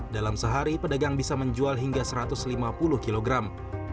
dalam sehari pedagang bisa menjual hingga satu ratus lima puluh kilogram